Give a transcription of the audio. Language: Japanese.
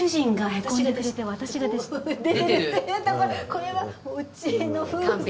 これはうちの夫婦。